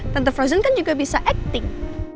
tante frozen kan juga bisa acting